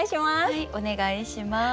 はいお願いします。